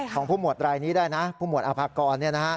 ของผู้หวดรายนี้ได้นะผู้หวดอภากร